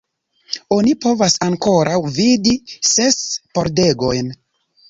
Oni povas ankoraŭ vidi ses pordegojn.